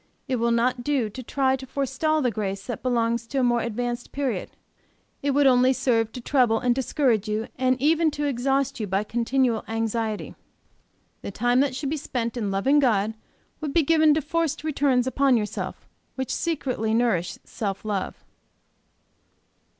It will not do to try to forestall the grace that belongs to a more advanced period. It would only serve to trouble and discourage you, and even to exhaust you by continual anxiety; the time that should be spent in loving God would be given to forced returns upon yourself, which secretly nourish self love.